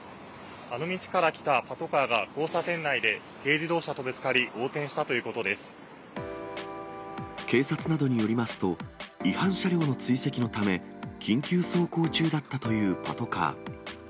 あの道から来たパトカーが交差点内で軽自動車とぶつかり、横転し警察などによりますと、違反車両の追跡のため、緊急走行中だったというパトカー。